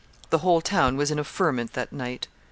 The whole town was in a ferment that night.